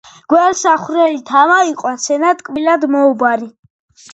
გველსა ხვრელით ამოიყვანს ენა ტკბილად მოუბარი .